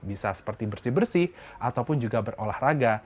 bisa seperti bersih bersih ataupun juga berolahraga